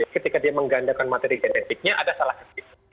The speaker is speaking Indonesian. ketika dia menggandakan materi genetiknya ada salah sedikit